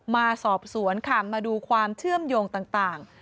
มาสอบสวนค่ะมาดูความเชื่อมโยงต่าง